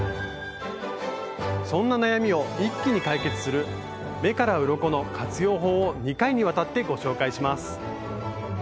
そんな悩みを一気に解決する「目からうろこ」の活用法を２回にわたってご紹介します！